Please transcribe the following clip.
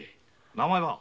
名前は？